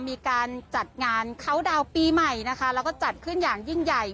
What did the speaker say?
มีการจัดงานเขาดาวน์ปีใหม่นะคะแล้วก็จัดขึ้นอย่างยิ่งใหญ่